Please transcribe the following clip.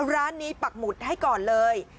ร้านนี้ปักหมุดให้ก่อนเลย